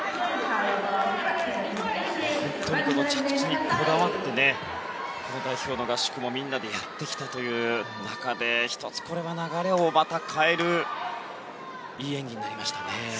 本当に着地にこだわってこの代表の合宿もみんなでやってきたという中で１つ、これは流れを変えるいい演技になりましたね。